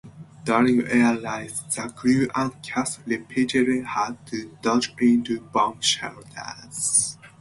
During air raids, the crew and cast repeatedly had to dodge into bomb shelters.